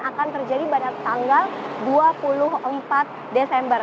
akan terjadi pada tanggal dua puluh empat desember